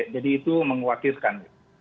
jadi itu mengkhawatirkan